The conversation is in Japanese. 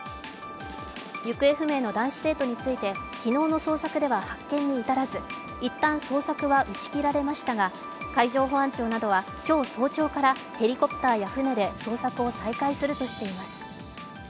行方不明の男子生徒について昨日の捜索では発見に至らず一旦捜索は打ち切られましたが海上保安庁などは今日早朝からヘリコプターや船で捜索を再開するとしています。